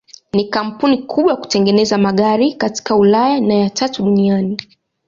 Ni kampuni kubwa ya kutengeneza magari katika Ulaya na ya tatu duniani.